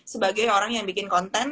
sebagai orang yang bikin konten